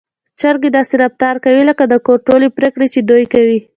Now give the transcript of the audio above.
چرګې داسې رفتار کوي لکه د کور ټولې پرېکړې چې دوی کوي.